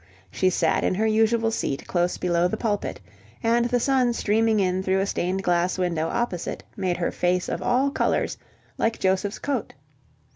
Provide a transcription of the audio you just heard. She sat in her usual seat close below the pulpit, and the sun streaming in through a stained glass window opposite made her face of all colours, like Joseph's coat.